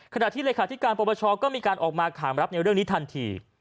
ขณะที่เลขาธิการปรปชก็มีการออกมาขามรับในเรื่องนี้ทันที